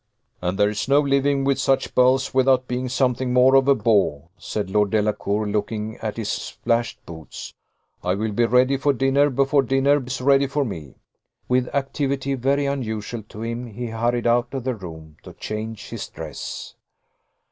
"And there is no living with such belles without being something more of a beau," said Lord Delacour, looking at his splashed boots. "I will be ready for dinner before dinner is ready for me." With activity very unusual to him, he hurried out of the room to change his dress.